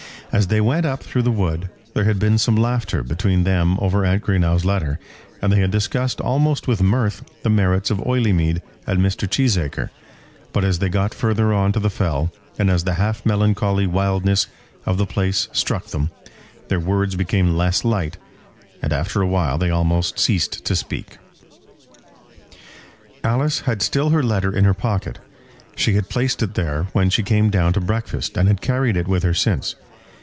As they went up through the wood there had been some laughter between them over Aunt Greenow's letter; and they had discussed almost with mirth the merits of Oileymead and Mr. Cheesacre; but as they got further on to the fell, and as the half melancholy wildness of the place struck them, their words became less light, and after a while they almost ceased to speak. Alice had still her letter in her pocket. She had placed it there when she came down to breakfast, and had carried it with her since.